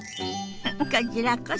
こちらこそ。